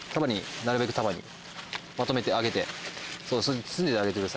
なるべく束にまとめてあげて包んでてあげてください。